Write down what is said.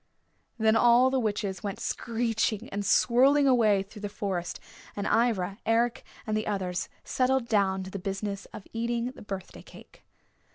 Then all the witches went screeching and swirling away through the forest, and Ivra, Eric and the others settled down to the business of eating the birthday cake.